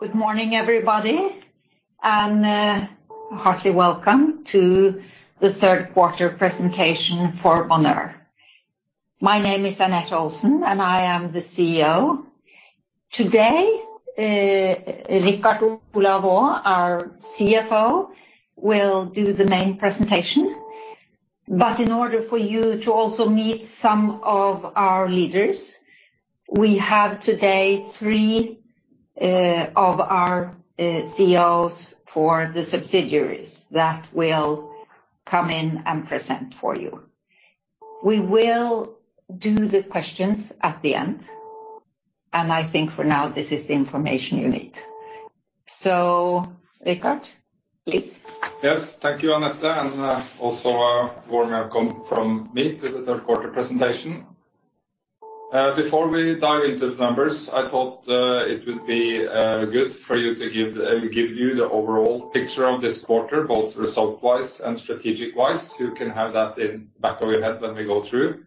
Good morning, everybody, and hearty welcome to the third quarter presentation for Bonheur. My name is Anette Olsen, and I am the CEO. Today, Rikard Olav Aa, our CFO, will do the main presentation. In order for you to also meet some of our leaders, we have today three of our CEOs for the subsidiaries that will come in and present for you. We will do the questions at the end, and I think for now, this is the information you need. Rikard, please. Yes. Thank you, Anette, and also a warm welcome from me to the third quarter presentation. Before we dive into the numbers, I thought it would be good to give you the overall picture of this quarter, both result-wise and strategic-wise. You can have that in back of your head when we go through.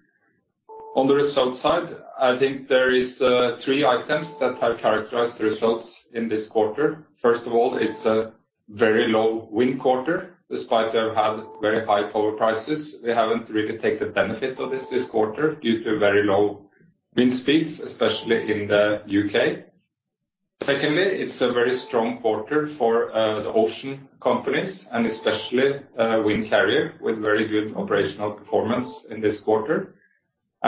On the result side, I think there are three items that have characterized the results in this quarter. First of all, it's a very low wind quarter. Despite having had very high power prices, we haven't really taken the benefit of this quarter due to very low wind speeds, especially in the U.K. Secondly, it's a very strong quarter for the ocean companies, and especially Wind Carrier, with very good operational performance in this quarter.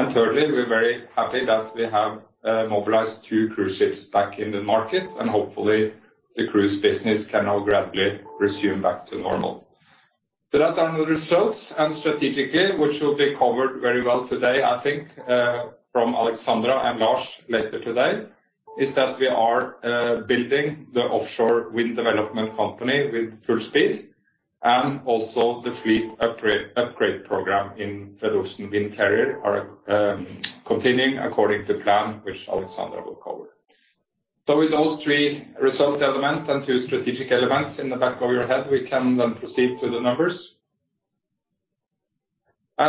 Thirdly, we're very happy that we have mobilized two cruise ships back in the market, and hopefully, the cruise business can now gradually resume back to normal. That are the results, and strategically, which will be covered very well today, I think, from Alexandra and Lars later today, is that we are building the offshore wind development company with full speed. Also the fleet upgrade program in the Fred. Olsen Windcarrier are continuing according to plan, which Alexandra will cover. With those three result elements and two strategic elements in the back of your head, we can then proceed to the numbers.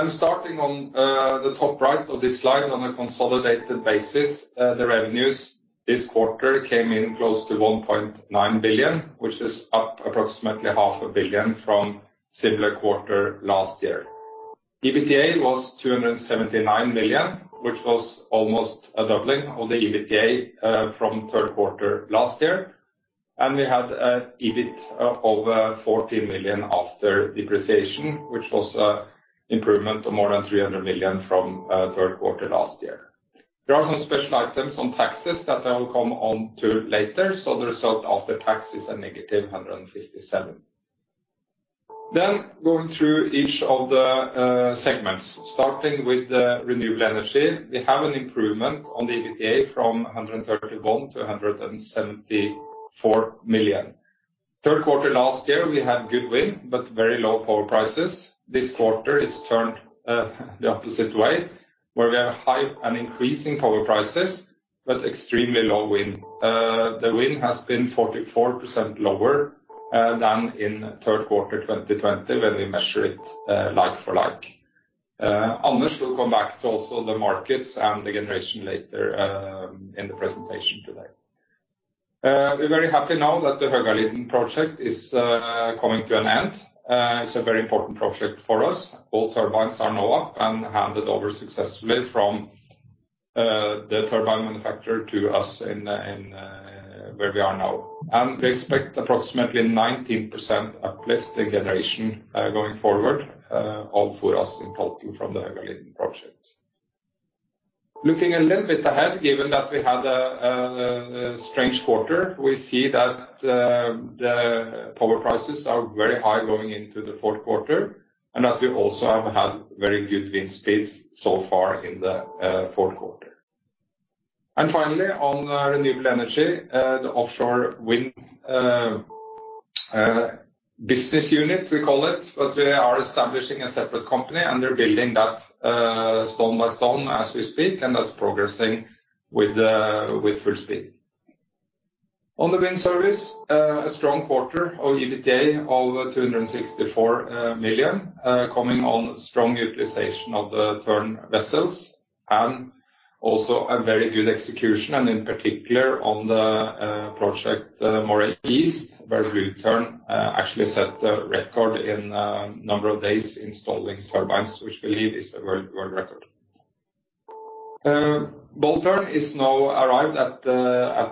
Starting on the top right of this slide on a consolidated basis, the revenues this quarter came in close to 1.9 billion, which is up approximately 500 million from similar quarter last year. EBITDA was 279 million, which was almost a doubling of the EBITDA from third quarter last year. We had an EBIT of 40 million after depreciation, which was an improvement of more than 300 million from third quarter last year. There are some special items on taxes that I will come on to later. The result after tax is a negative 157 million. Going through each of the segments, starting with the renewable energy, we have an improvement on the EBITDA from 131 million to 174 million. Third quarter last year, we had good wind, but very low power prices. This quarter, it's turned the opposite way, where we have high and increasing power prices, but extremely low wind. The wind has been 44% lower than in third quarter 2020 when we measure it like for like. Others will come back to also the markets and the generation later in the presentation today. We're very happy now that the Högaliden project is coming to an end. It's a very important project for us. All turbines are now up and handed over successfully from the turbine manufacturer to us in where we are now. We expect approximately 19% uplift the generation going forward all for us in total from the Högaliden project. Looking a little bit ahead, given that we had a strange quarter, we see that the power prices are very high going into the fourth quarter and that we also have had very good wind speeds so far in the fourth quarter. Finally, on renewable energy, the offshore wind business unit, we call it, but they are establishing a separate company, and they're building that stone by stone as we speak, and that's progressing with full speed. On the wind service, a strong quarter of EBITDA of 264 million, coming on strong utilization of the Tern vessels and also a very good execution, and in particular on the project, Moray East, where Blue Tern actually set a record in number of days installing turbines, which we believe is a world record. Bold Tern is now arrived at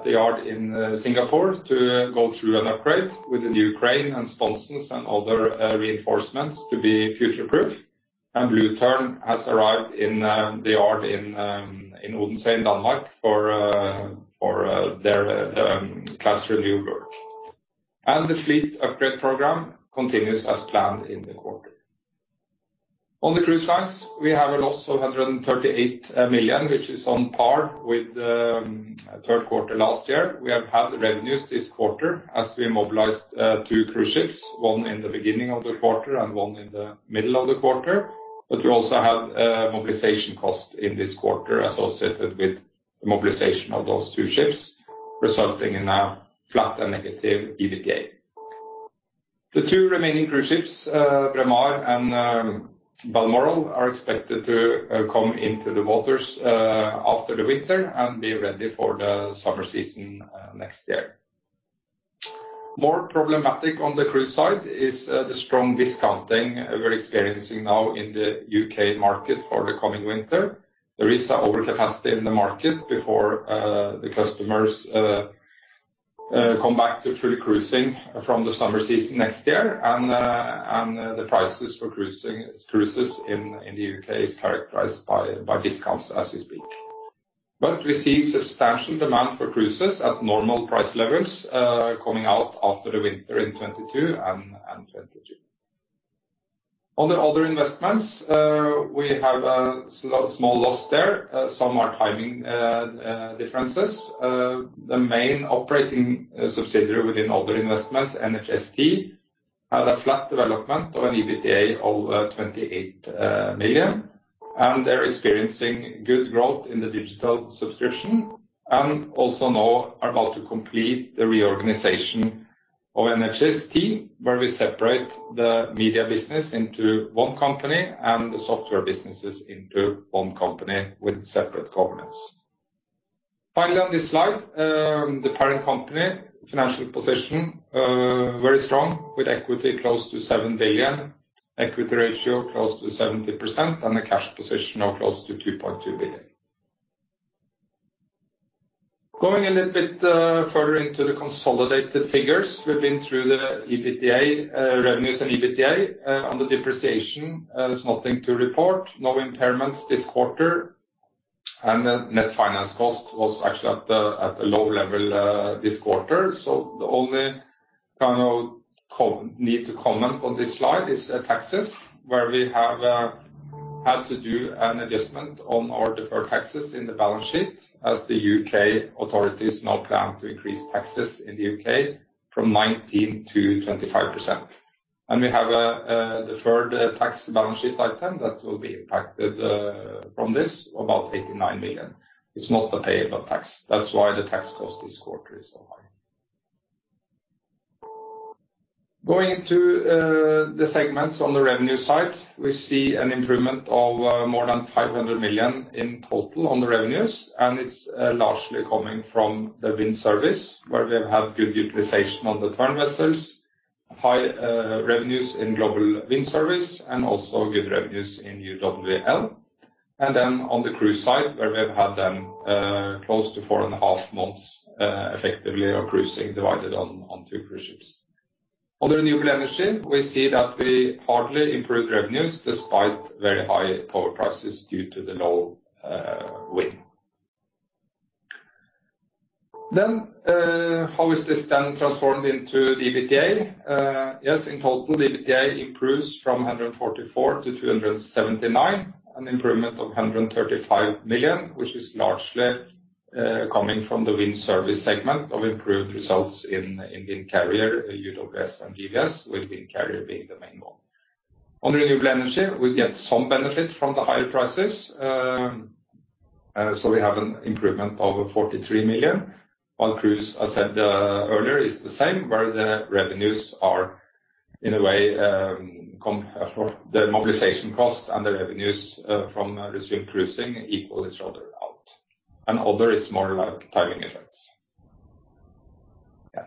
the yard in Singapore to go through an upgrade with the new crane and sponsons and other reinforcements to be future-proof. Blue Tern has arrived in the yard in Odense, Denmark, for their class review work. The fleet upgrade program continues as planned in the quarter. On the cruise lines, we have a loss of 138 million, which is on par with the third quarter last year. We have had revenues this quarter as we mobilized two cruise ships, one in the beginning of the quarter and one in the middle of the quarter. We also have mobilization cost in this quarter associated with the mobilization of those two ships, resulting in a flat and negative EBITDA. The two remaining cruise ships, Braemar and Balmoral, are expected to come into the waters after the winter and be ready for the summer season next year. More problematic on the cruise side is the strong discounting we're experiencing now in the U.K. market for the coming winter. There is an overcapacity in the market before the customers come back through cruising from the summer season next year. The prices for cruises in the U.K. are characterized by discounts as we speak. We see substantial demand for cruises at normal price levels coming out after the winter in 2022 and 2023. On the other investments, we have a small loss there, some are timing differences. The main operating subsidiary within other investments, NHST, had a flat development of an EBITDA of 28 million, and they're experiencing good growth in the digital subscription, and also now are about to complete the reorganization of NHST, where we separate the media business into one company and the software businesses into one company with separate governance. Finally, on this slide, the parent company financial position, very strong with equity close to 7 billion, equity ratio close to 70%, and a cash position of close to 2.2 billion. Going a little bit further into the consolidated figures, we've been through the EBITDA, revenues and EBITDA. On the depreciation, there's nothing to report. No impairments this quarter. The net finance cost was actually at a low level this quarter. The only kind of need to comment on this slide is taxes, where we have had to do an adjustment on our deferred taxes in the balance sheet as the U.K. authorities now plan to increase taxes in the U.K. from 19%-25%. We have a deferred tax balance sheet item that will be impacted from this, about 89 million. It's not the payable tax. That's why the tax cost this quarter is so high. Going into the segments on the revenue side. We see an improvement of more than 500 million in total on the revenues, and it's largely coming from the wind service, where we have good utilization on the Tern vessels, high revenues in Global Wind Service and also good revenues in UWL. Then on the cruise side, where we've had close to 4.5 months effectively of cruising divided on two cruise ships. On the renewable energy, we see that we hardly improved revenues despite very high power prices due to the low wind. How is this then transformed into the EBITDA? Yes, in total, the EBITDA improves from 144 million to 279 million, an improvement of 135 million, which is largely coming from the wind service segment of improved results in Wind Carrier, UWL and GWS with Wind Carrier being the main one. On renewable energy, we get some benefit from the higher prices, so we have an improvement of 43 million. On cruise, I said earlier, is the same where the revenues are in a way, the mobilization cost and the revenues from resuming cruising equal each other out. Other, it's more like timing effects. Yeah.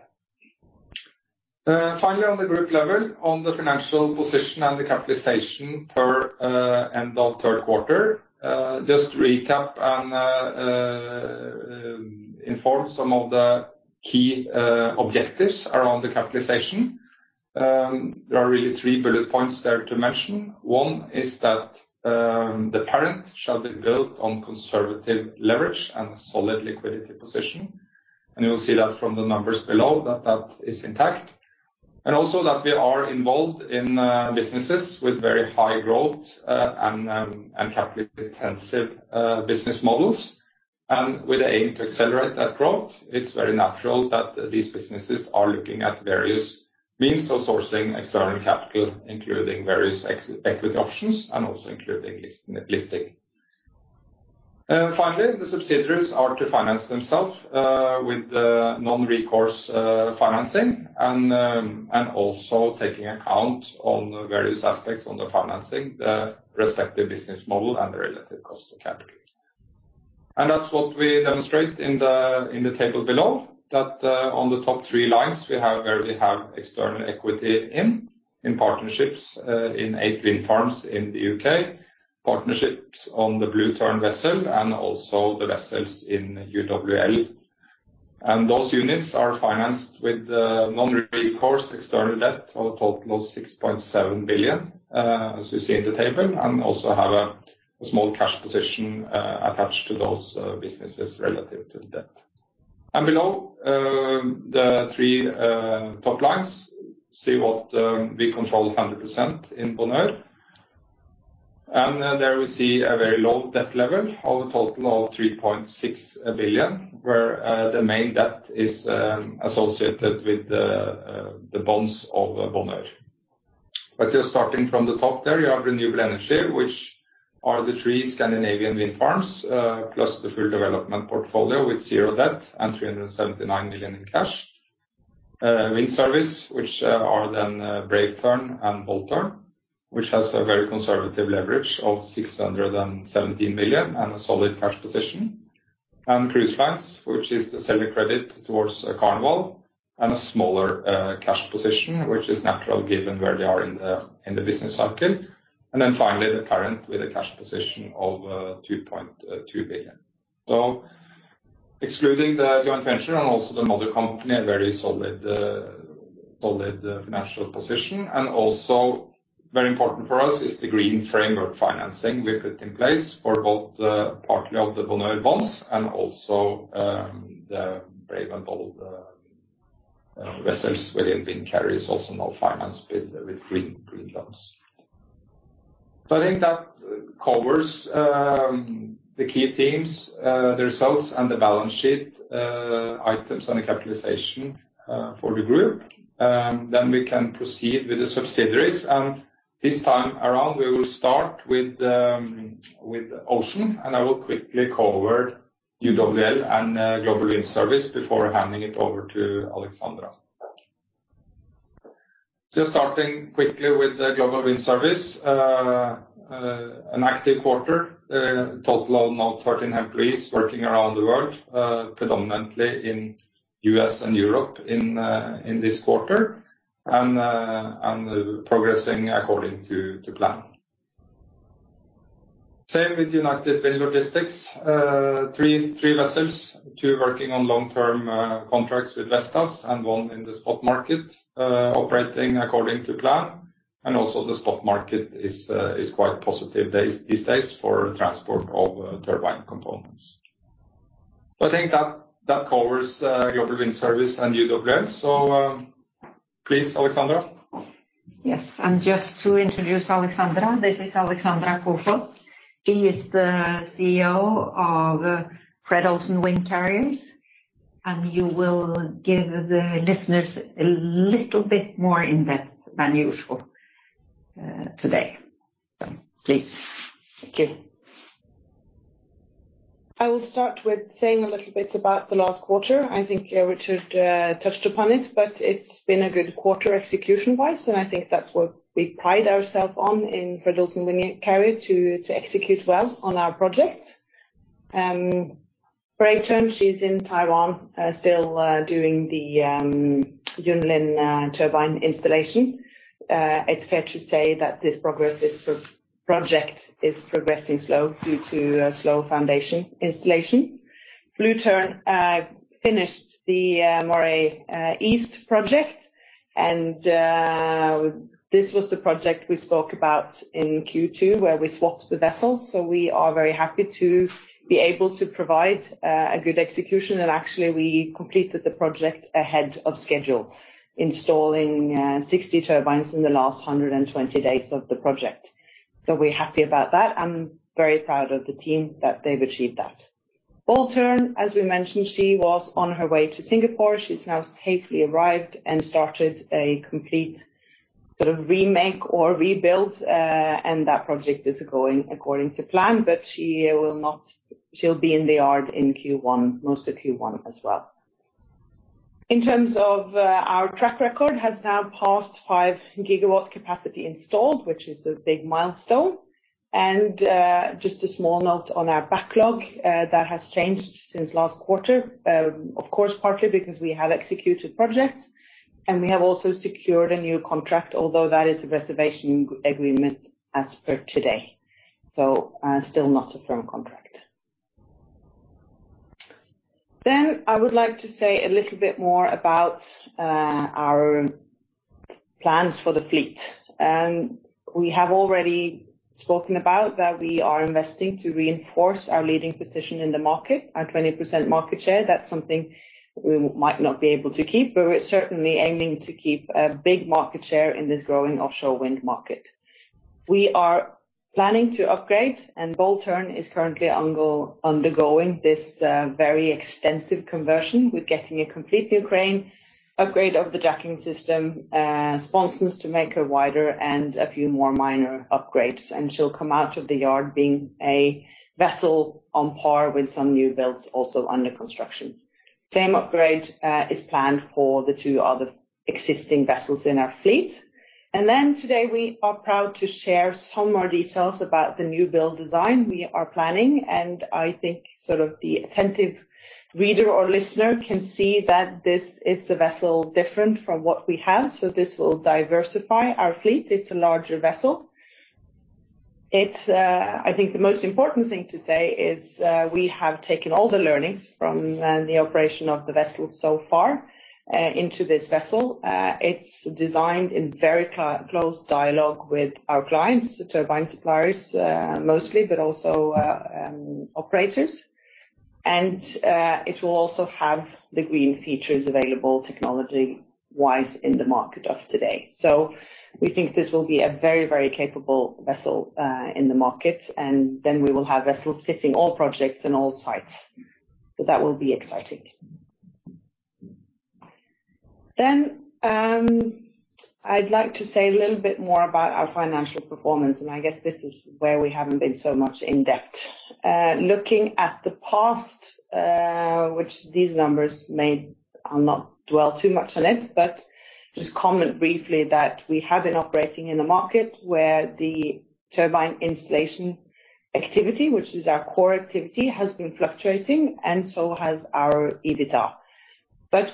Finally, on the group level, on the financial position and the capitalization per end of third quarter. Just to recap and inform some of the key objectives around the capitalization. There are really three bullet points there to mention. One is that the parent shall be built on conservative leverage and a solid liquidity position, and you'll see that from the numbers below that is intact. Also that we are involved in businesses with very high growth and capital-intensive business models, and with aim to accelerate that growth. It's very natural that these businesses are looking at various means of sourcing external capital, including various equity options and also including listing. Finally, the subsidiaries are to finance themselves with non-recourse financing and also taking account on the various aspects on the financing, the respective business model and the relative cost of capital. That's what we demonstrate in the table below. On the top three lines we have external equity in partnerships in eight wind farms in the U.K., partnerships on the Blue Tern vessel and also the vessels in UWL. Those units are financed with the non-recourse external debt of a total of 6.7 billion, as you see in the table, and also have a small cash position attached to those businesses relative to the debt. Below the three top lines, we control 100% in Bonheur. There we see a very low debt level of a total of 3.6 billion, where the main debt is associated with the bonds of Bonheur. Just starting from the top there, you have renewable energy, which are the three Scandinavian wind farms, plus the full development portfolio with zero debt and 379 million in cash. Windcarrier, which are then Brave Tern and Bold Tern, which has a very conservative leverage of 617 million and a solid cash position. Cruise Finance, which is the seller credit towards Carnival and a smaller cash position, which is natural given where they are in the business cycle. Finally, the corporate with a cash position of 2.2 billion. Excluding the joint venture and also the mother company, a very solid financial position. Very important for us is the green framework financing we put in place for both the partly of the Bonheur bonds and also the Brave Tern and Bold Tern vessels within Wind Carrier is also now financed with green loans. I think that covers the key themes, the results and the balance sheet items and the capitalization for the group. We can proceed with the subsidiaries. This time around, we will start with Ocean, and I will quickly cover UWL and Global Wind Service before handing it over to Alexandra. Just starting quickly with the Global Wind Service. An active quarter. Total of now 13 employees working around the world, predominantly in U.S. and Europe in this quarter, progressing according to plan. Same with United Wind Logistics. Three vessels, two working on long-term contracts with Vestas and one in the spot market, operating according to plan. Also the spot market is quite positive these days for transport of turbine components. I think that covers Global Wind Service and UWL. Please, Alexandra. Yes. Just to introduce Alexandra, this is Alexandra Koefoed. She is the CEO of Fred. Olsen Windcarrier. You will give the listeners a little bit more in-depth than usual, today. Please. Thank you. I will start with saying a little bit about the last quarter. I think, Rikard, touched upon it, but it's been a good quarter execution-wise, and I think that's what we pride ourself on in Fred. Olsen Windcarrier to execute well on our projects. Brave Tern, she's in Taiwan, still, doing the Yunlin turbine installation. It's fair to say that this project is progressing slow due to a slow foundation installation. Blue Tern finished the Moray East project, and this was the project we spoke about in Q2 where we swapped the vessels. We are very happy to be able to provide a good execution. Actually, we completed the project ahead of schedule, installing 60 turbines in the last 120 days of the project. We're happy about that, and very proud of the team that they've achieved that. Bold Tern, as we mentioned, she was on her way to Singapore. She's now safely arrived and started a complete sort of remake or rebuild, and that project is going according to plan, but she will not. She'll be in the yard in Q1, most of Q1 as well. In terms of our track record has now passed 5 gigawatt capacity installed, which is a big milestone. Just a small note on our backlog, that has changed since last quarter. Of course, partly because we have executed projects, and we have also secured a new contract, although that is a reservation agreement as per today. Still not a firm contract. I would like to say a little bit more about our plans for the fleet. We have already spoken about that we are investing to reinforce our leading position in the market, our 20% market share. That's something we might not be able to keep, but we're certainly aiming to keep a big market share in this growing offshore wind market. We are planning to upgrade, and Bold Tern is currently undergoing this very extensive conversion. We're getting a complete new crane, upgrade of the jacking system, sponsons to make her wider and a few more minor upgrades. She'll come out of the yard being a vessel on par with some new builds also under construction. Same upgrade is planned for the two other existing vessels in our fleet. Today we are proud to share some more details about the new build design we are planning, and I think sort of the attentive reader or listener can see that this is a vessel different from what we have. This will diversify our fleet. It's a larger vessel. I think the most important thing to say is, we have taken all the learnings from, the operation of the vessel so far, into this vessel. It's designed in very close dialogue with our clients, the turbine suppliers, mostly, but also, operators. It will also have the green features available technology-wise in the market of today. We think this will be a very, very capable vessel, in the market, and then we will have vessels fitting all projects and all sites. That will be exciting. I'd like to say a little bit more about our financial performance, and I guess this is where we haven't been so much in-depth. Looking at the past, I'll not dwell too much on it, but just comment briefly that we have been operating in a market where the turbine installation activity, which is our core activity, has been fluctuating, and so has our EBITDA.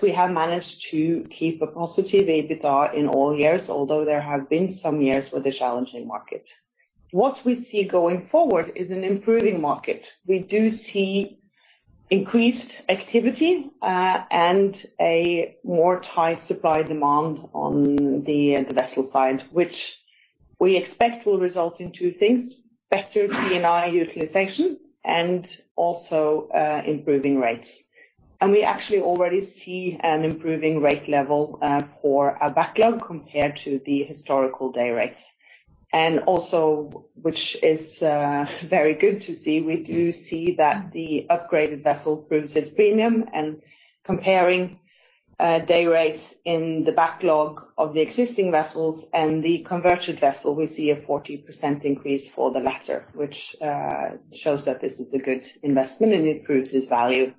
We have managed to keep a positive EBITDA in all years, although there have been some years with a challenging market. What we see going forward is an improving market. We do see increased activity, and a tighter supply-demand on the vessel side, which we expect will result in two things, better T&I utilization and also, improving rates. We actually already see an improving rate level for our backlog compared to the historical day rates. Also, which is very good to see, we do see that the upgraded vessel proves its premium and comparing day rates in the backlog of the existing vessels and the converted vessel, we see a 40% increase for the latter, which shows that this is a good investment, and it proves its value.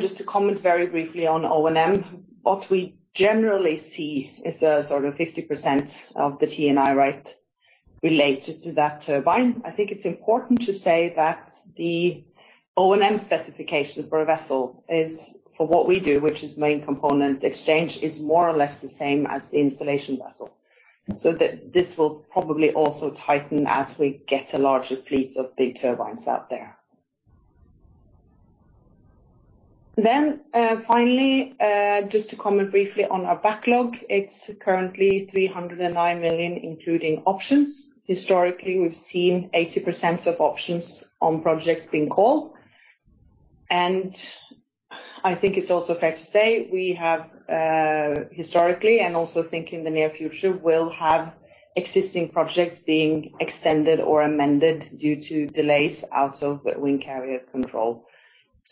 Just to comment very briefly on O&M. What we generally see is a sort of 50% of the T&I rate related to that turbine. I think it's important to say that the O&M specification for a vessel is, for what we do, which is main component exchange, is more or less the same as the installation vessel. This will probably also tighten as we get a larger fleet of big turbines out there. Finally, just to comment briefly on our backlog. It's currently 309 million, including options. Historically, we've seen 80% of options on projects being called. I think it's also fair to say we have, historically and also think in the near future, will have existing projects being extended or amended due to delays out of Wind Carrier control.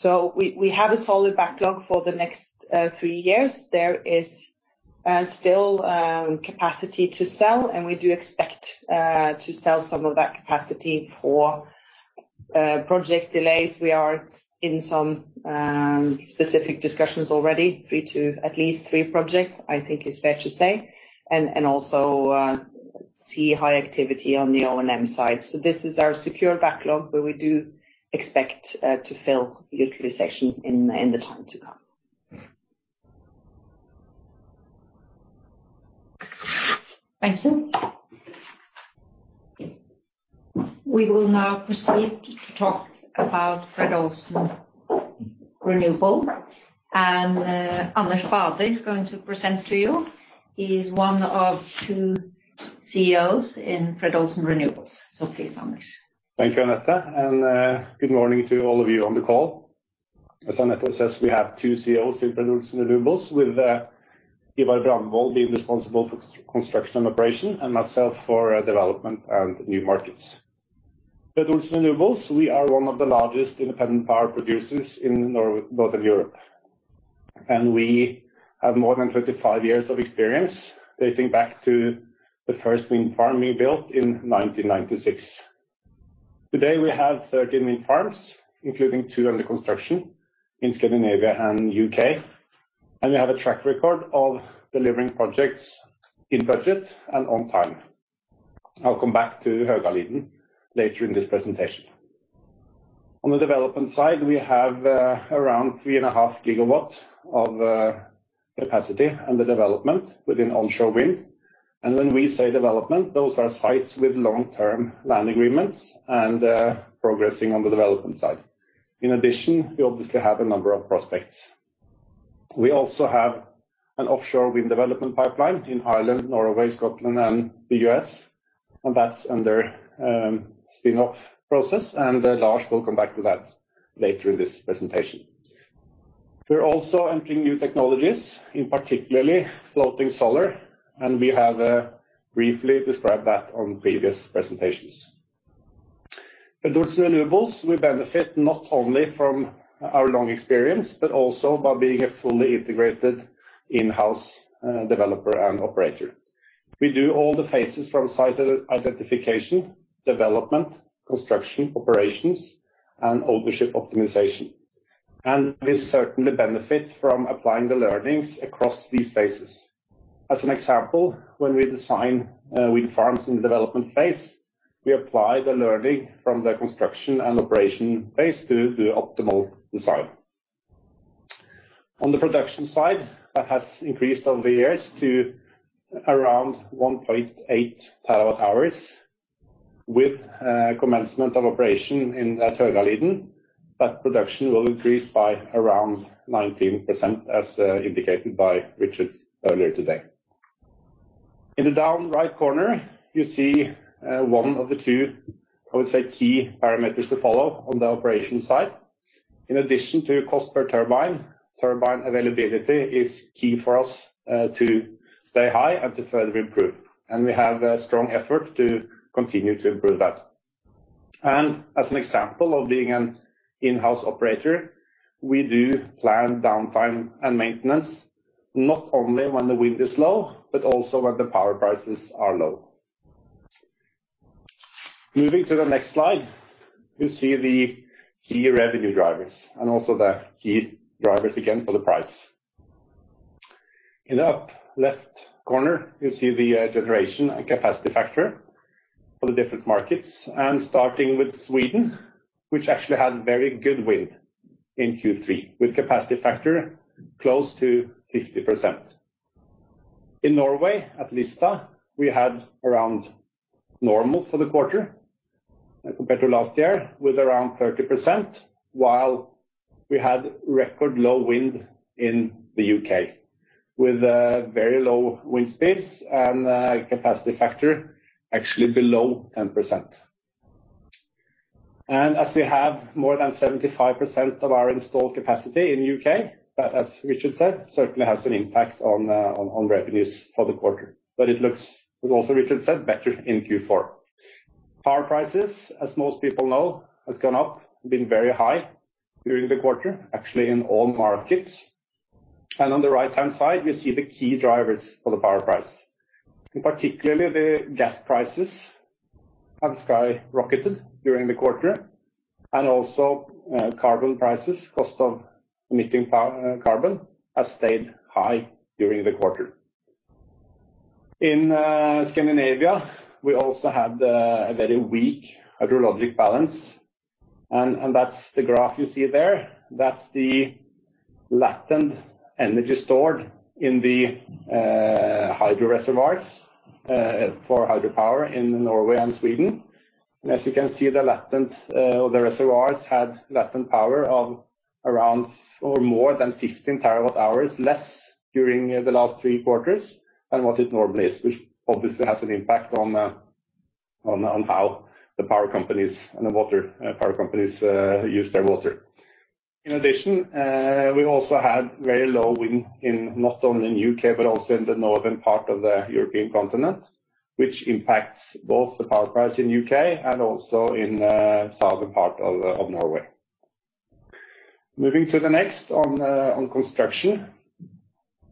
We have a solid backlog for the next three years. There is still capacity to sell, and we do expect to sell some of that capacity for project delays. We are in some specific discussions already, three to at least three projects, I think is fair to say, and also see high activity on the O&M side. This is our secure backlog, but we do expect to fill utilization in the time to come. Thank you. We will now proceed to talk about Fred. Olsen Renewables, and Anders Bade is going to present to you. He is one of two CEOs in Fred. Olsen Renewables. Please, Anders. Thank you, Anette. Good morning to all of you on the call. As Anette says, we have two CEOs in Fred. Olsen Renewables, with Ivar Brandvold being responsible for construction and operation, and myself for development and new markets. Fred. Olsen Renewables, we are one of the largest independent power producers in Northern Europe. We have more than 35 years of experience, dating back to the first wind farm we built in 1996. Today, we have 13 wind farms, including two under construction in Scandinavia and U.K. We have a track record of delivering projects in budget and on time. I'll come back to Högaliden later in this presentation. On the development side, we have around 3.5 GW of capacity under development within onshore wind. When we say development, those are sites with long-term land agreements and progressing on the development side. In addition, we obviously have a number of prospects. We also have an offshore wind development pipeline in Ireland, Norway, Scotland, and the U.S., and that's under spin-off process, and Lars will come back to that later in this presentation. We're also entering new technologies, in particular floating solar, and we have briefly described that on previous presentations. Fred. Olsen Renewables, we benefit not only from our long experience, but also by being a fully integrated in-house developer and operator. We do all the phases from site identification, development, construction, operations, and ownership optimization. We certainly benefit from applying the learnings across these phases. As an example, when we design wind farms in the development phase, we apply the learning from the construction and operation phase to do optimal design. On the production side, that has increased over the years to around 1.8 TWh. With commencement of operation in Högaliden, that production will increase by around 19%, as indicated by Rikard earlier today. In the bottom right corner, you see one of the two, I would say, key parameters to follow on the operation side. In addition to cost per turbine availability is key for us to stay high and to further improve, and we have a strong effort to continue to improve that. As an example of being an in-house operator, we do plan downtime and maintenance not only when the wind is low, but also when the power prices are low. Moving to the next slide, you see the key revenue drivers and also the key drivers again for the price. In the up left corner, you see the generation and capacity factor for the different markets, and starting with Sweden, which actually had very good wind in Q3, with capacity factor close to 50%. In Norway at Lista, we had around normal for the quarter compared to last year with around 30%, while we had record low wind in the U.K., with very low wind speeds and a capacity factor actually below 10%. As we have more than 75% of our installed capacity in U.K., that as Rikard said, certainly has an impact on revenues for the quarter. It looks, as also Rikard said, better in Q4. Power prices, as most people know, has gone up, been very high during the quarter, actually in all markets. On the right-hand side, you see the key drivers for the power price. In particular, the gas prices have skyrocketed during the quarter. Also, carbon prices, cost of emitting carbon, has stayed high during the quarter. In Scandinavia, we also had a very weak hydrological balance, and that's the graph you see there. That's the latent energy stored in the hydro reservoirs for hydropower in Norway and Sweden. As you can see, the reservoirs had latent power of around or more than 15 TWh less during the last three quarters than what it normally is, which obviously has an impact on how the power companies and the water power companies use their water. In addition, we also had very low wind in not only in U.K., but also in the northern part of the European continent, which impacts both the power price in U.K. and also in southern part of Norway. Moving to the next on construction.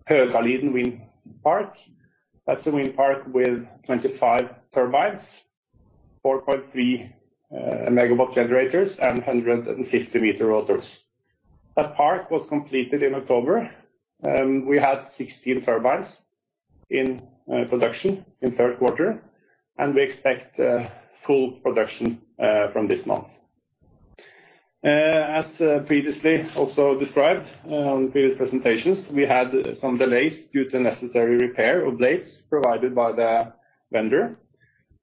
Högaliden Wind Park. That's the wind park with 25 turbines, 4.3 MW generators and 150-m rotors. That park was completed in October. We had 16 turbines in production in third quarter, and we expect full production from this month. As previously also described on the previous presentations, we had some delays due to necessary repair of blades provided by the vendor.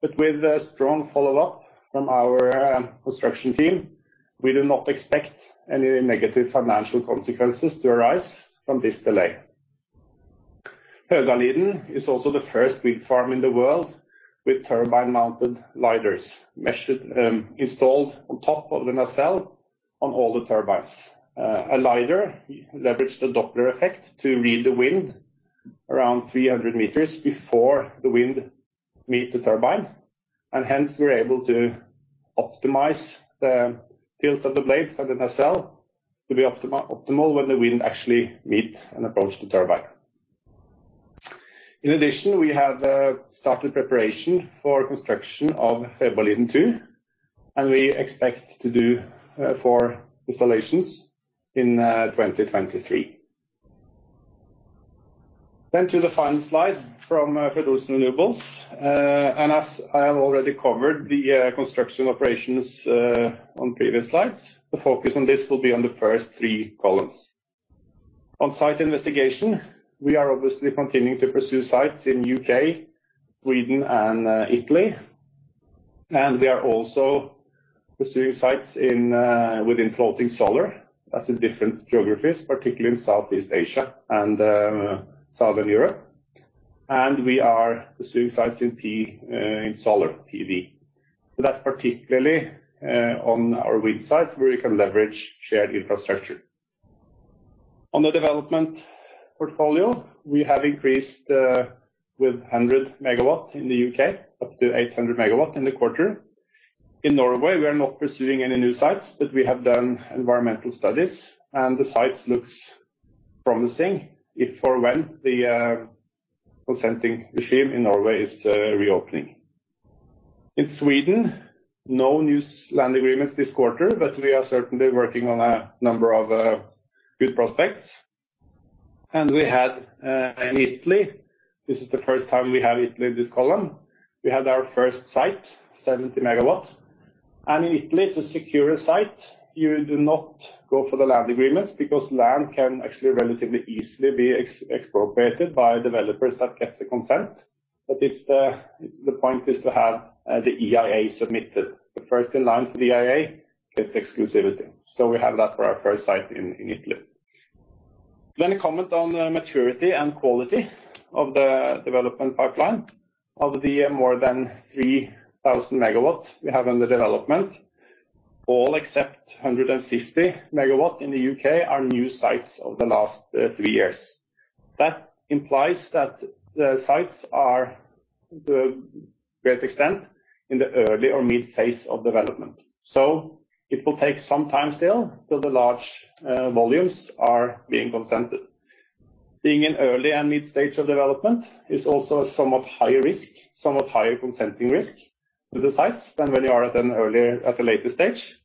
With a strong follow-up from our construction team, we do not expect any negative financial consequences to arise from this delay. Högaliden is also the first wind farm in the world with turbine-mounted lidars measured installed on top of the nacelle on all the turbines. A lidar leverage the Doppler effect to read the wind around 300 meters before the wind meet the turbine, and hence we're able to optimize the tilt of the blades and the nacelle to be optimal when the wind actually meet and approach the turbine. In addition, we have started preparation for construction of Fäboliden 2, and we expect to do four installations in 2023. To the final slide from Fred. Olsen Renewables. As I have already covered the construction operations on previous slides, the focus on this will be on the first three columns. On-site investigation, we are obviously continuing to pursue sites in U.K., Sweden and Italy. We are also pursuing sites within floating solar. That's in different geographies, particularly in Southeast Asia and Southern Europe. We are pursuing sites in solar PV. That's particularly on our wind sites where we can leverage shared infrastructure. On the development portfolio, we have increased by 100 MW in the U.K. up to 800 MW in the quarter. In Norway, we are not pursuing any new sites, but we have done environmental studies and the sites look promising. If and when the consenting regime in Norway is reopening. In Sweden, no new land agreements this quarter, but we are certainly working on a number of good prospects. We had in Italy, this is the first time we have Italy in this column. We had our first site, 70 MW. In Italy, to secure a site, you do not go for the land agreements because land can actually relatively easily be expropriated by developers that get the consent. It's the point to have the EIA submitted. The first in line for the EIA gets exclusivity. We have that for our first site in Italy. Let me comment on the maturity and quality of the development pipeline of the more than 3,000 MW we have under development. All except 150 MW in the U.K. are new sites over the last three years. That implies that the sites are to a great extent in the early or mid-phase of development. It will take some time still till the large volumes are being consented. Being in early and mid stage of development is also a somewhat higher risk, somewhat higher consenting risk with the sites than when you are at a later stage.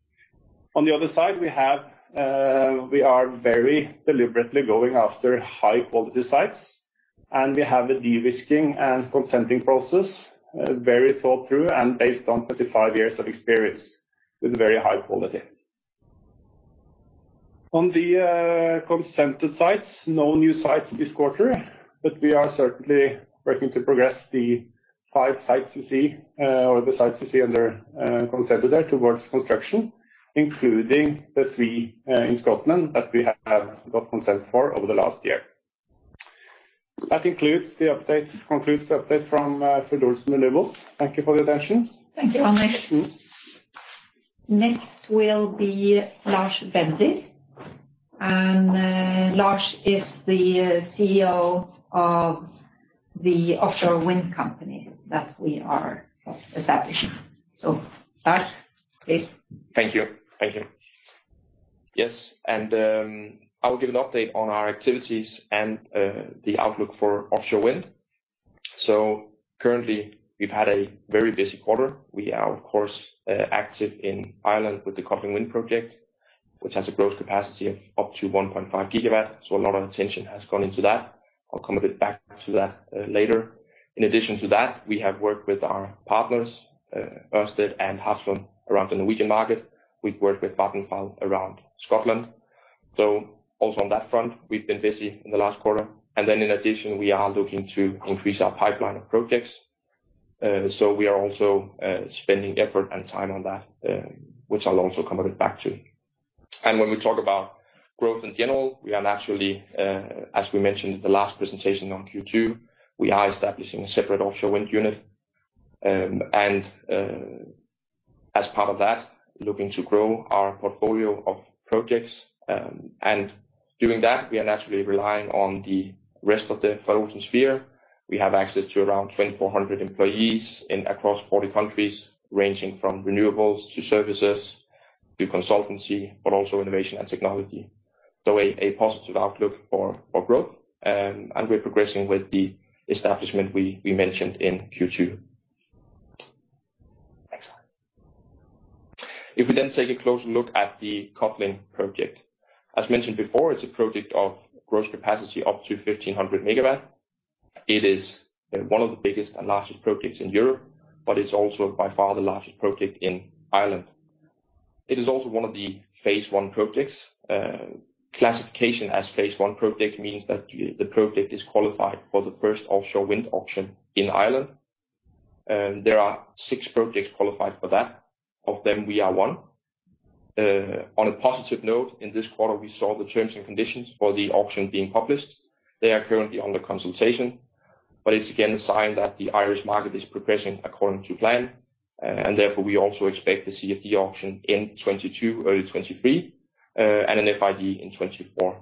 On the other side, we are very deliberately going after high-quality sites, and we have a de-risking and consenting process very thought through and based on 35 years of experience with very high quality. On the consented sites, no new sites this quarter, but we are certainly working to progress the five sites you see or the sites you see under consented there towards construction, including the three in Scotland that we have got consent for over the last year. That concludes the update from Fred. Olsen Renewables. Thank you for your attention. Thank you, Anders. Next will be Lars Bender. Lars is the CEO of the offshore wind company that we are establishing. Lars, please. Thank you. Yes, I will give an update on our activities and the outlook for offshore wind. Currently, we've had a very busy quarter. We are, of course, active in Ireland with the Codling Wind project, which has a gross capacity of up to 1.5 GW, a lot of attention has gone into that. I'll come a bit back to that later. In addition to that, we have worked with our partners, Ørsted and Hafslund around the Norwegian market. We've worked with Vattenfall around Scotland. Also on that front, we've been busy in the last quarter. In addition, we are looking to increase our pipeline of projects. We are also spending effort and time on that, which I'll also come a bit back to. When we talk about growth in general, we are naturally, as we mentioned in the last presentation on Q2, we are establishing a separate offshore wind unit. As part of that, looking to grow our portfolio of projects. Doing that, we are naturally relying on the rest of the Fred. Olsen sphere. We have access to around 2,400 employees across 40 countries, ranging from renewables to services to consultancy, but also innovation and technology. A positive outlook for growth. We're progressing with the establishment we mentioned in Q2. Next slide. If we then take a closer look at the Codling Wind project. As mentioned before, it's a project of gross capacity up to 1,500 MW. It is one of the biggest and largest projects in Europe, but it's also by far the largest project in Ireland. It is also one of the phase I projects. Classification as phase I project means that the project is qualified for the first offshore wind auction in Ireland. There are six projects qualified for that. Of them, we are one. On a positive note, in this quarter, we saw the terms and conditions for the auction being published. They are currently under consultation, but it's again a sign that the Irish market is progressing according to plan, and therefore, we also expect to see the auction in 2022, early 2023, and an FID in 2024.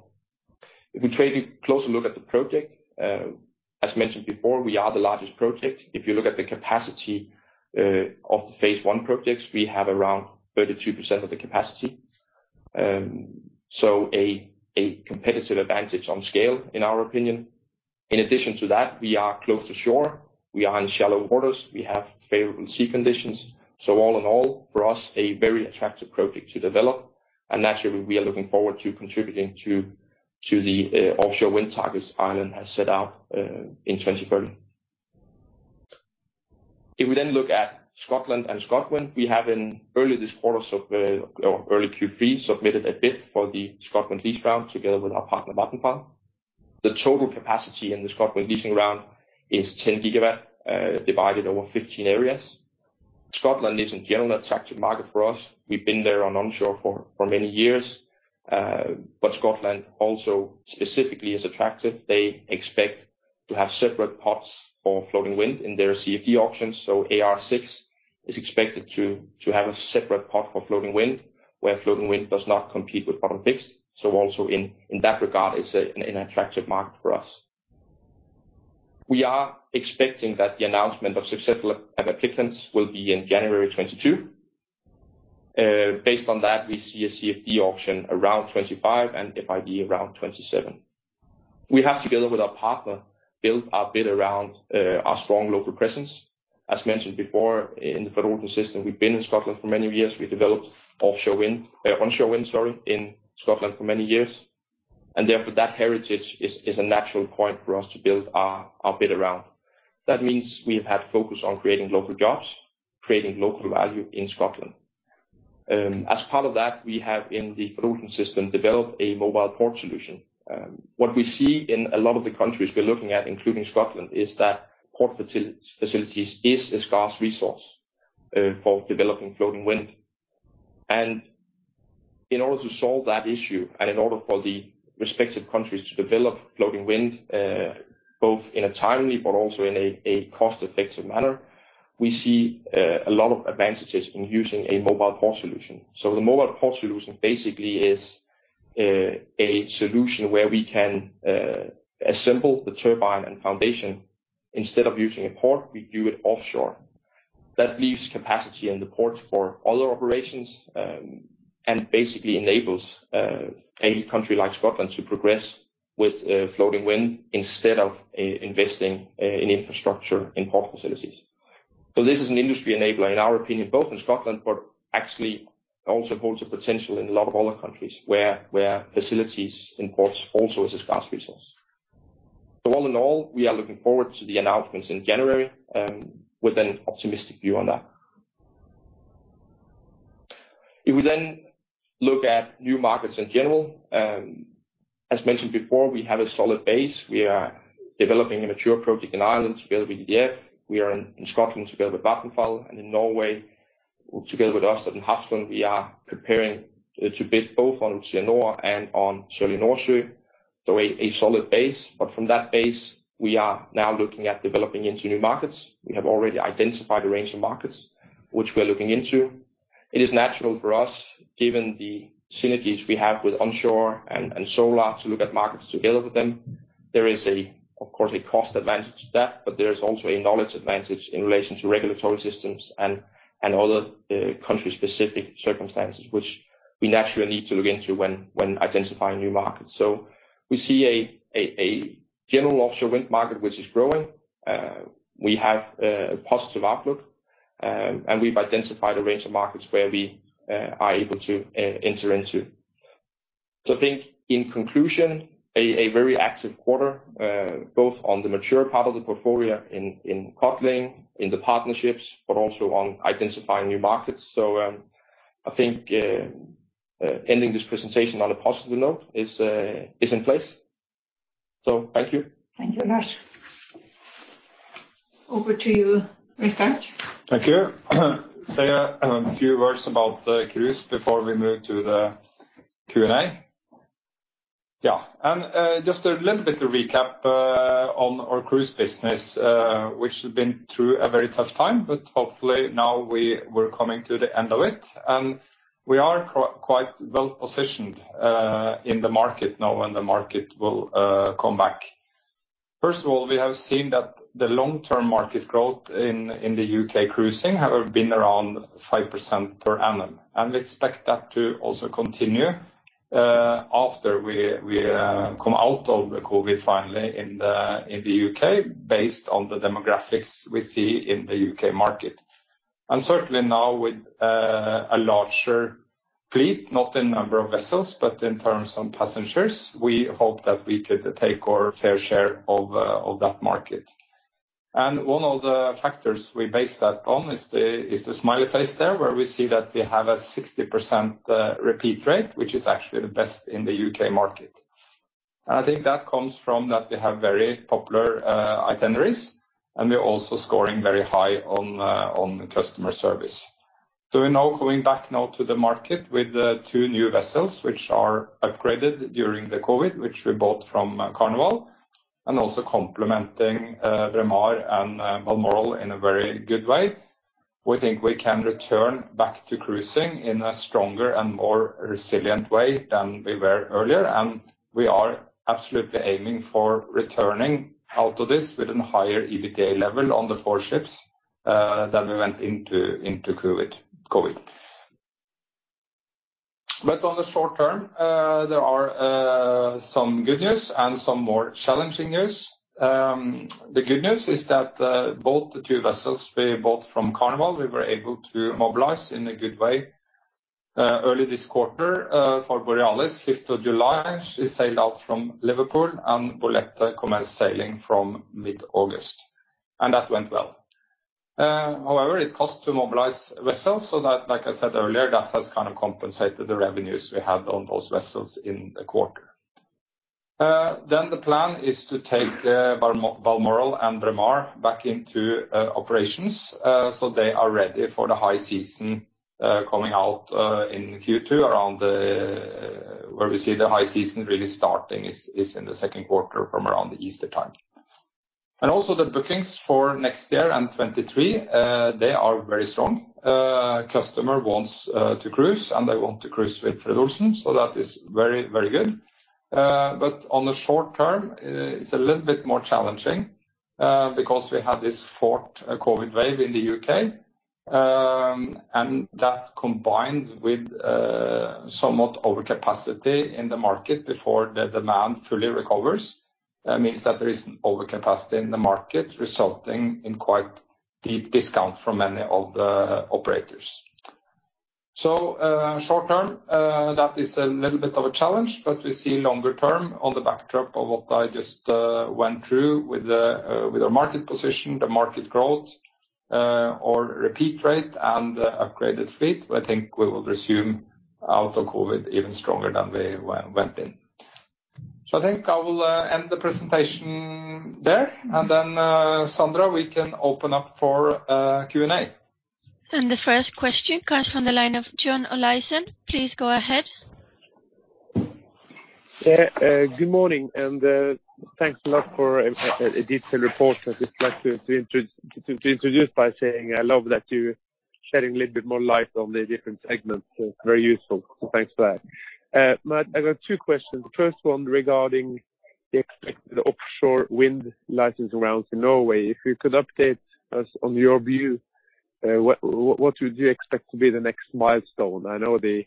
If we take a closer look at the project, as mentioned before, we are the largest project. If you look at the capacity of the phase I projects, we have around 32% of the capacity. A competitive advantage on scale, in our opinion. In addition to that, we are close to shore, we are in shallow waters, we have favorable sea conditions. All in all, for us, a very attractive project to develop. Naturally, we are looking forward to contributing to the offshore wind targets Ireland has set out in 2030. If we look at Scotland and ScotWind, we have in early Q3 submitted a bid for the ScotWind lease round together with our partner, Vattenfall. The total capacity in the ScotWind leasing round is 10 GW divided over 15 areas. Scotland is in general an attractive market for us. We've been there on onshore for many years. Scotland also specifically is attractive. They expect to have separate pots for floating wind in their CFD auctions. AR6 is expected to have a separate pot for floating wind, where floating wind does not compete with bottom fixed. Also in that regard, it's an attractive market for us. We are expecting that the announcement of successful applicants will be in January 2022. Based on that, we see a CFD auction around 2025 and FID around 2027. We have, together with our partner, built our bid around our strong local presence. As mentioned before, in the Fred. Olsen system, we've been in Scotland for many years. We developed onshore wind in Scotland for many years. Therefore, that heritage is a natural point for us to build our bid around. That means we have had focus on creating local jobs, creating local value in Scotland. As part of that, we have in the Fred. Olsen system developed a mobile port solution. What we see in a lot of the countries we're looking at, including Scotland, is that port facilities is a scarce resource for developing floating wind. In order to solve that issue and in order for the respective countries to develop floating wind, both in a timely but also in a cost-effective manner, we see a lot of advantages in using a mobile port solution. The mobile port solution basically is a solution where we can assemble the turbine and foundation. Instead of using a port, we do it offshore. That leaves capacity in the port for other operations, and basically enables a country like Scotland to progress with floating wind instead of investing in infrastructure and port facilities. This is an industry enabler, in our opinion, both in Scotland, but actually also holds a potential in a lot of other countries where facilities and ports also is a scarce resource. All in all, we are looking forward to the announcements in January with an optimistic view on that. If we then look at new markets in general, as mentioned before, we have a solid base. We are developing a mature project in Ireland together with EDF. We are in Scotland together with Vattenfall and in Norway together with Ørsted and Hafslund, we are preparing to bid both on Utsira Nord and on Sørlige Nordsjø II. A solid base. From that base, we are now looking at developing into new markets. We have already identified a range of markets which we are looking into. It is natural for us, given the synergies we have with onshore and solar, to look at markets together with them. There is, of course, a cost advantage to that, but there is also a knowledge advantage in relation to regulatory systems and other country-specific circumstances which we naturally need to look into when identifying new markets. So we see a general offshore wind market which is growing. We have a positive outlook, and we've identified a range of markets where we are able to enter into. I think in conclusion, a very active quarter, both on the mature part of the portfolio in Codling, in the partnerships, but also on identifying new markets. I think ending this presentation on a positive note is in place. Thank you. Thank you, Lars. Over to you, Rikard. Thank you. Say a few words about the cruise before we move to the Q&A. Yeah. Just a little bit of recap on our cruise business, which has been through a very tough time, but hopefully now we're coming to the end of it. We are quite well-positioned in the market now, when the market will come back. First of all, we have seen that the long-term market growth in the U.K. cruising have been around 5% per annum, and we expect that to also continue after we come out of the COVID finally in the U.K., based on the demographics we see in the U.K. market. Certainly now with a larger fleet, not in number of vessels, but in terms of passengers, we hope that we could take our fair share of that market. One of the factors we base that on is the smiley face there, where we see that we have a 60% repeat rate, which is actually the best in the U.K. market. I think that comes from that we have very popular itineraries, and we're also scoring very high on customer service. We're now coming back to the market with the two new vessels which are upgraded during the COVID, which we bought from Carnival and also complementing Braemar and Balmoral in a very good way. We think we can return back to cruising in a stronger and more resilient way than we were earlier, and we are absolutely aiming for returning out of this with a higher EBITDA level on the four ships than we went into COVID. On the short term, there are some good news and some more challenging news. The good news is that both the two vessels we bought from Carnival, we were able to mobilize in a good way. Early this quarter, for Borealis, fifth of July, she sailed out from Liverpool and Bolette commenced sailing from mid-August. That went well. However, it costs to mobilize vessels, so that, like I said earlier, that has kind of compensated the revenues we had on those vessels in the quarter. The plan is to take Balmoral and Braemar back into operations, so they are ready for the high season coming out in Q2 around the Easter time. Where we see the high season really starting is in the second quarter from around the Easter time. Also the bookings for next year and 2023 they are very strong. Customers want to cruise, and they want to cruise with Fred. Olsen, so that is very, very good. On the short term, it's a little bit more challenging because we have this fourth COVID wave in the U.K., and that combined with somewhat overcapacity in the market before the demand fully recovers, that means that there is overcapacity in the market resulting in quite deep discounts from many of the operators. Short term, that is a little bit of a challenge, but we see longer term on the backdrop of what I just went through with our market position, the market growth, our repeat rate and the upgraded fleet. I think we will resume out of COVID even stronger than we went in. I think I will end the presentation there, and then, Sandra, we can open up for Q&A. The first question comes from the line of John Olaisen. Please go ahead. Yeah, good morning, and thanks a lot for a detailed report. I'd just like to introduce by saying I love that you're shedding a little bit more light on the different segments. It's very useful, so thanks for that. I got two questions. First one regarding the expected offshore wind license rounds in Norway. If you could update us on your view, what would you expect to be the next milestone? I know there's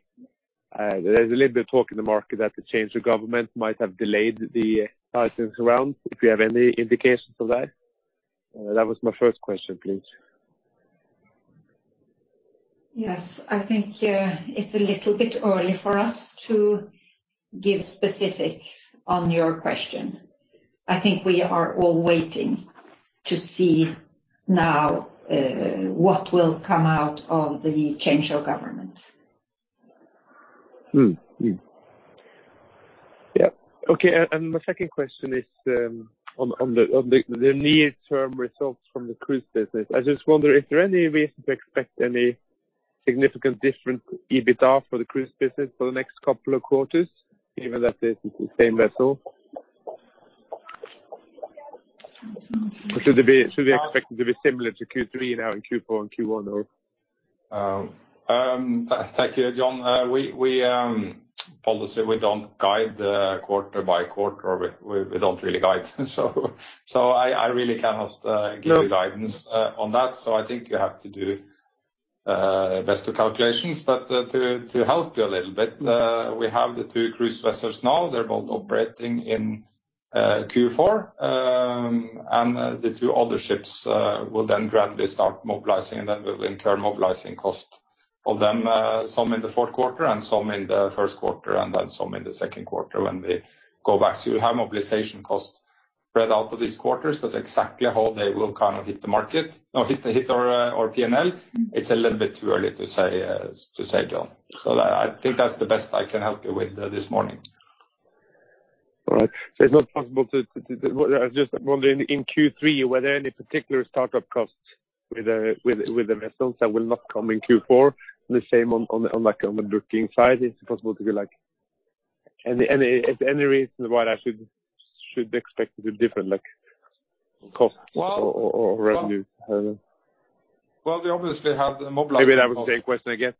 a little bit of talk in the market that the change of government might have delayed the licensing round. If you have any indications for that. That was my first question, please. Yes. I think, it's a little bit early for us to give specifics on your question. I think we are all waiting to see now, what will come out of the change of government. My second question is on the near-term results from the cruise business. I just wonder if there are any reason to expect any significantly different EBITA for the cruise business for the next couple of quarters, given that it's the same vessel. Should we expect it to be similar to Q3 now in Q4 and Q1, or? Thank you, John. We don't guide quarter by quarter. We don't really guide. I really cannot give you guidance. No On that. I think you have to do investor calculations. To help you a little bit, we have the two cruise vessels now. They're both operating in Q4. The two other ships will then gradually start mobilizing, and then we'll incur mobilization costs of them, some in the fourth quarter and some in the first quarter and then some in the second quarter when they go back. You'll have mobilization costs spread out to these quarters, but exactly how they will kind of hit the market or hit our P&L, it's a little bit too early to say, John. I think that's the best I can help you with, this morning. All right. I'm just wondering, in Q3, were there any particular startup costs with the vessels that will not come in Q4? The same on the booking side, is there any reason why I should expect it to be different, like costs? Revenue? I don't know. Well, we obviously have the mobilization costs. Maybe that was a question again.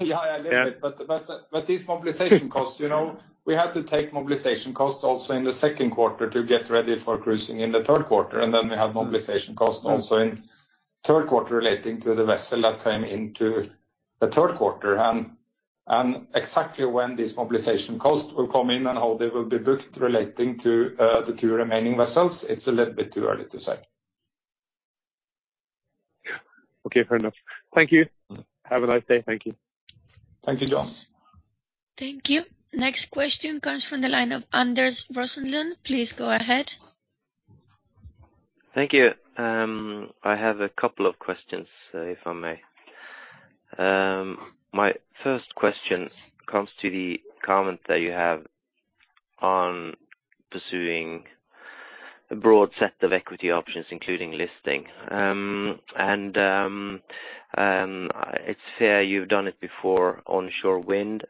Yeah, a little bit. Yeah. These mobilization costs, you know, we had to take mobilization costs also in the second quarter to get ready for cruising in the third quarter. We had mobilization costs also in third quarter relating to the vessel that came into the third quarter. Exactly when this mobilization cost will come in and how they will be booked relating to the two remaining vessels, it's a little bit too early to say. Yeah. Okay. Fair enough. Thank you. Have a nice day. Thank you. Thank you, John. Thank you. Next question comes from the line of Anders Rosenlund. Please go ahead. Thank you. I have a couple of questions, if I may. My first question comes to the comment that you have on pursuing a broad set of equity options, including listing. It's fair you've done it before on onshore wind.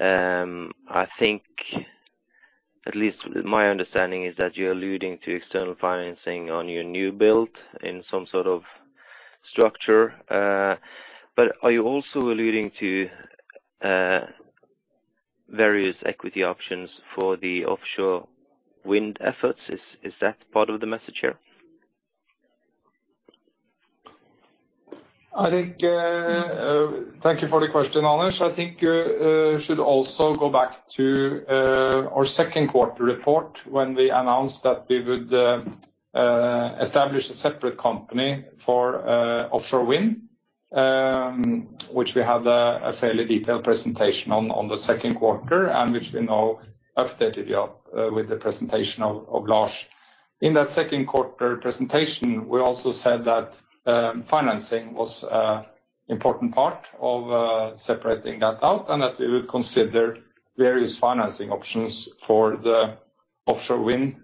I think, at least my understanding is that you're alluding to external financing on your new build in some sort of structure. Are you also alluding to various equity options for the offshore wind efforts? Is that part of the message here? Thank you for the question, Anders. I think we should also go back to our second quarter report when we announced that we would establish a separate company for offshore wind, which we had a fairly detailed presentation on in the second quarter, and which we now updated you with the presentation of Lars. In that second quarter presentation, we also said that financing was an important part of separating that out and that we would consider various financing options for the offshore wind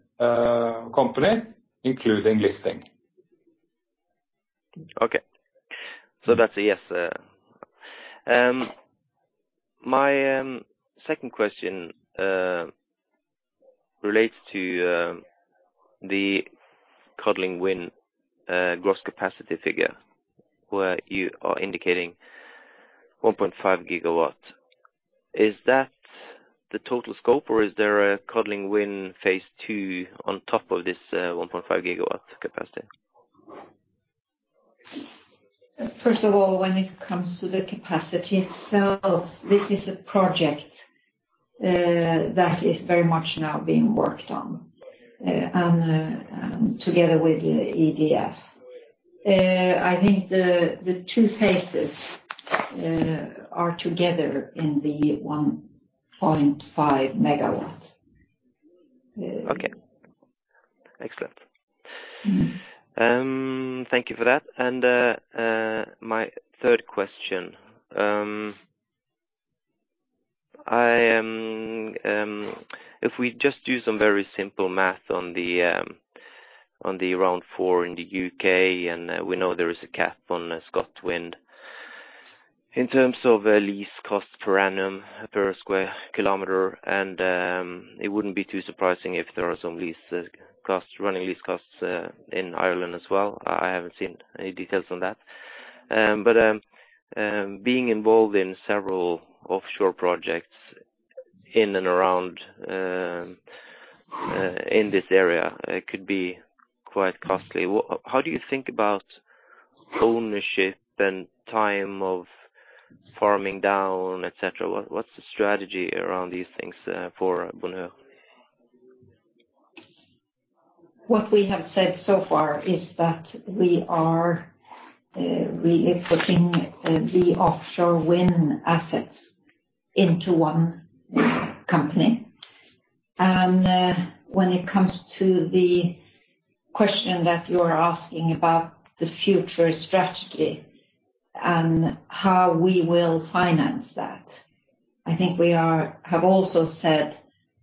company, including listing. Okay. That's a yes. My second question relates to the Codling Wind gross capacity figure where you are indicating 1.5 GW. Is that the total scope or is there a Codling Wind phase two on top of this 1.5 GW capacity? First of all, when it comes to the capacity itself, this is a project that is very much now being worked on and together with EDF. I think the two phases are together in the 1.5 gigawatts. Okay. Excellent. Thank you for that. My third question: If we just do some very simple math on the round four in the U.K., and we know there is a cap on the ScotWind. In terms of lease cost per annum, per square kilometer, and it wouldn't be too surprising if there are some lease costs, running lease costs, in Ireland as well. I haven't seen any details on that. But being involved in several offshore projects in and around in this area, it could be quite costly. How do you think about ownership and time of farming down, et cetera? What's the strategy around these things for Bonheur? What we have said so far is that we are really putting the offshore wind assets into one company. When it comes to the question that you're asking about the future strategy and how we will finance that, I think we have also said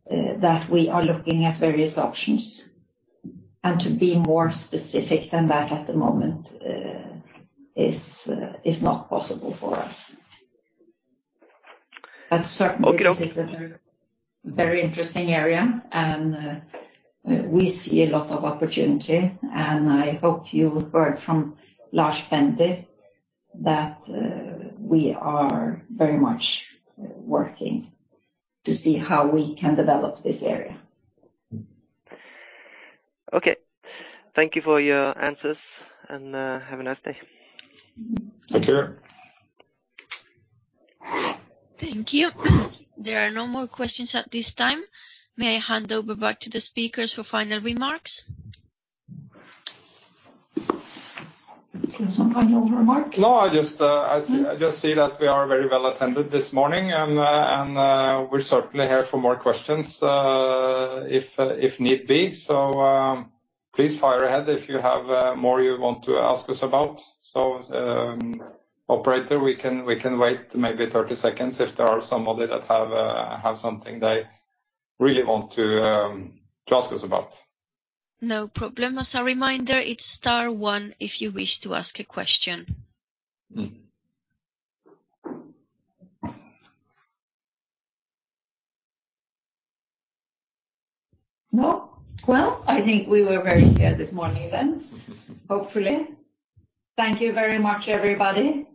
that we are looking at various options. To be more specific than that at the moment is not possible for us. Okay. This is a very, very interesting area, and we see a lot of opportunity. I hope you heard from Lars Bender that we are very much working to see how we can develop this area. Okay. Thank you for your answers, and have a nice day. Take care. Thank you. There are no more questions at this time. May I hand it back over to the speakers for final remarks. You have some final remarks? No, I just see that we are very well attended this morning, and we're certainly here for more questions, if need be. Please fire ahead if you have more you want to ask us about. Operator, we can wait maybe 30 seconds if there are some other that have something they really want to ask us about. No problem. As a reminder, it's star one if you wish to ask a question. No? Well, I think we were very clear this morning then, hopefully. Thank you very much, everybody.